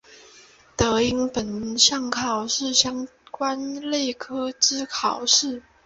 得应本项考试相关类科之考试。